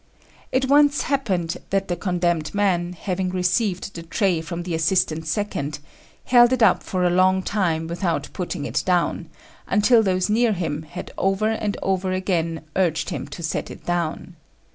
It once happened that the condemned man, having received the tray from the assistant second, held it up for a long time without putting it down, until those near him had over and over again urged him to set it down.